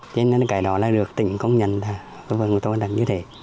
thế nên cái đó là được tỉnh công nhận là vườn của tôi là như thế